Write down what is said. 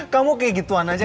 kamu kayak gituan aja